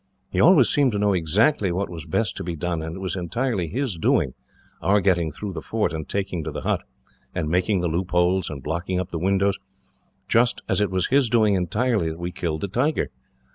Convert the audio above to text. He always seemed to know exactly what was best to be done, and it was entirely his doing, our getting through the fort, and taking to the hut, and making the loopholes, and blocking up the windows; just as it was his doing, entirely, that we killed that tiger.